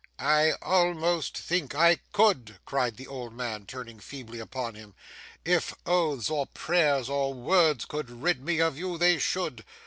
'I almost think I could,' cried the old man, turning feebly upon him. 'If oaths, or prayers, or words, could rid me of you, they should.